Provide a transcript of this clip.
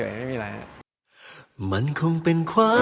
อเรนนี่ต้องมันมันมีความพยายามกว่า